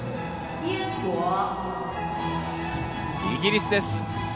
イギリスです。